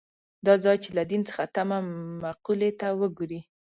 دا ځای چې له دین څخه تمه مقولې ته وګوري.